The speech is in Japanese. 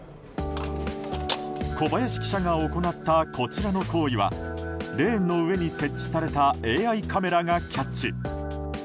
小林記者が行ったこちらの行為はレーンの上に設置されたＡＩカメラがキャッチ。